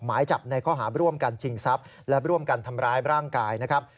หมายจับในข้อหาร่วมกันชิงทรัพย์และร่วมกันทำร้ายร่างกายนะครับ